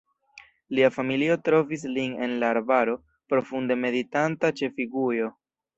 Lia familio trovis lin en la arbaro, profunde meditanta ĉe figujo.